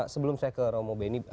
sebelum saya ke romo beni